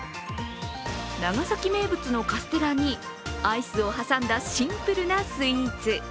長崎名物のカステラにアイスを挟んだシンプルなスイーツ。